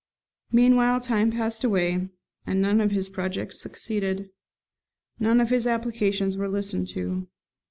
Meanwhile time passed away, and none of his projects succeeded none of his applications were listened to.